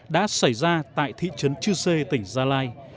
đã xảy ra tại thị trấn chư sê tỉnh gia lai